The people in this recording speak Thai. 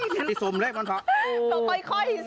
เถอะค่อยสิ